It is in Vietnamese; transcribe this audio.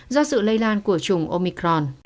do sự lây lan của chủng omicron